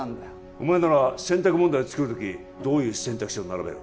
お前なら選択問題を作る時どういう選択肢を並べる？